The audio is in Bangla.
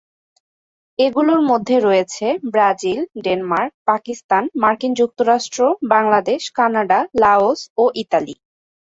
এগুলোর মধ্যে রয়েছে ব্রাজিল, ডেনমার্ক, পাকিস্তান, মার্কিন যুক্তরাষ্ট্র, বাংলাদেশ, কানাডা, লাওস ও ইতালি।